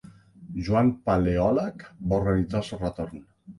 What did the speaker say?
Joan Paleòleg va organitzar el seu retorn.